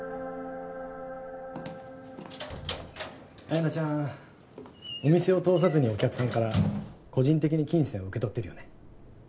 あやなちゃんお店を通さずにお客さんから個人的に金銭を受け取ってるよね？